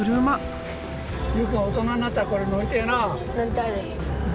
佑くんは大人になったらこれ乗りてえなあ。